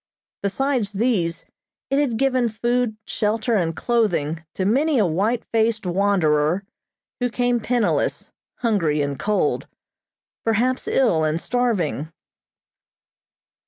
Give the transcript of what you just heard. Besides these, it had given food, shelter and clothing to many a white faced wanderer, who came penniless, hungry and cold, perhaps ill and starving.